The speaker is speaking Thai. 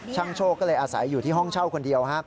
โชคก็เลยอาศัยอยู่ที่ห้องเช่าคนเดียว